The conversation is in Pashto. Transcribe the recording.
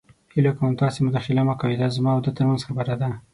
هیله کوم تاسې مداخله مه کوئ. دا زما او ده تر منځ خبره ده.